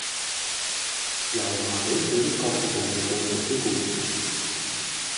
油麻地富益閣附近有無圖書館？